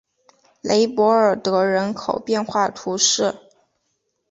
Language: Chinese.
雷博尔德人口变化图示